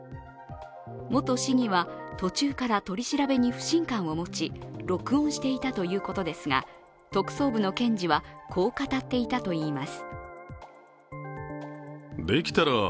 元市議は途中から取り調べに不信感を持ち、録音していたということですが特捜部の検事はこう語っていたといいます。